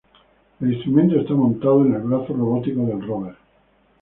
El instrumento está montado en el brazo robótico del rover.